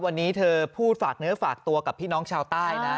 วันนี้เธอพูดฝากเนื้อฝากตัวกับพี่น้องชาวใต้นะ